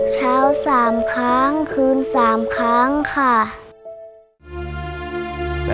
เช้า๓ครั้งคืน๓ครั้งค่ะ